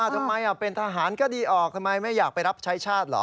ทำไมเป็นทหารก็ดีออกทำไมไม่อยากไปรับใช้ชาติเหรอ